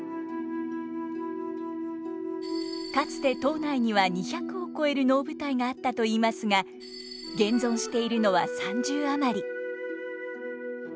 かつて島内には２００を超える能舞台があったといいますが現存しているのは３０余り。